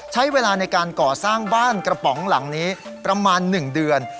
ใช้เวลาในการก่อสร้างบ้านกระป๋องหลังนี้ประมาณ๑เดือน